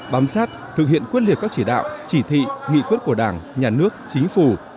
bám sát thực hiện quyết liệt các chỉ đạo chỉ thị nghị quyết của đảng nhà nước chính phủ